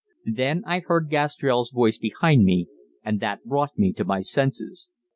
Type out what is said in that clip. Then I heard Gastrell's voice behind me, and that brought me to my senses.